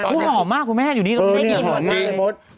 คุณหอมมากคุณแม่อยู่นี่เราไม่ได้กินเลย